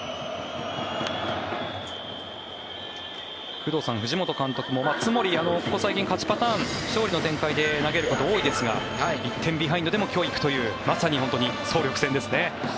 工藤さん、藤本監督も津森はここ最近勝ちパターン勝利の展開で投げることが多いですが１点ビハインドでも今日行くというまさに総力戦ですね。